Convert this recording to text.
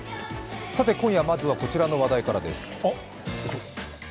さて今夜、まずこちらの話題からです。